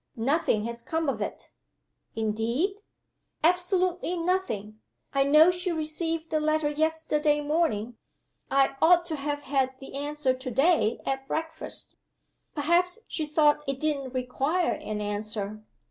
"Nothing has come of it!" "Indeed?" "Absolutely nothing! I know she received the letter yesterday morning. I ought to have had the answer to day at breakfast." "Perhaps she thought it didn't require an answer."